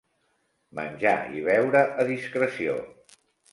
Menjar i beure a discreció.